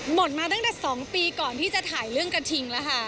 หมดมาตั้งแต่๒ปีก่อนที่จะถ่ายเรื่องกระทิงแล้วค่ะ